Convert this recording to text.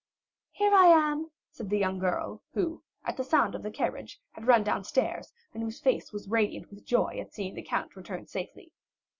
"Here I am," said the young girl, who at the sound of the carriage had run downstairs and whose face was radiant with joy at seeing the count return safely.